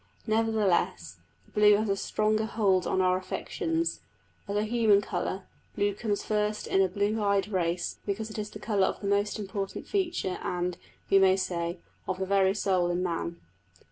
Nevertheless the blue has a stronger hold on our affections. As a human colour, blue comes first in a blue eyed race because it is the colour of the most important feature, and, we may say, of the very soul in man.